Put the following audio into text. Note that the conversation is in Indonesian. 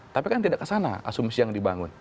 tapi kan tidak ke sana asumsi yang dibangun